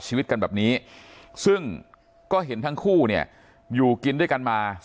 ชีวิตกันแบบนี้ซึ่งก็เห็นทั้งคู่เนี่ยอยู่กินด้วยกันมา